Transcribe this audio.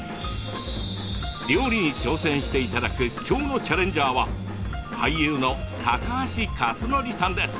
料理に挑戦していただく今日のチャレンジャーは俳優の高橋克典さんです。